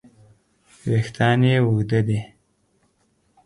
وېښتیان یې اوږده دي.